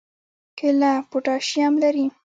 کیله پوټاشیم لري